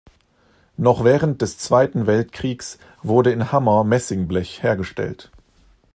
Noch während des Zweiten Weltkriegs wurde in Hammer Messingblech hergestellt.